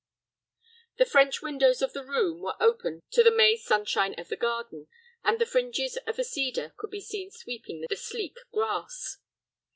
The French windows of the room were open to the May sunshine of the garden, and the fringes of a cedar could be seen sweeping the sleek grass.